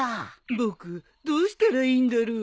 僕どうしたらいいんだろう。